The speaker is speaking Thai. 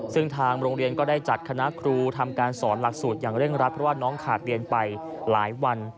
ซึ่งทางโรงเรียนก็ได้จัดคณะครูทำการสอนหลักสูตรอย่างเร่งรัดเพราะว่าน้องขาดเรียนไปหลายวัน